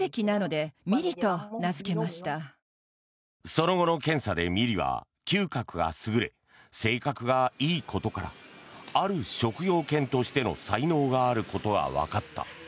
その後の検査でミリは嗅覚が優れ性格がいいことからある職業犬としての才能があることがわかった。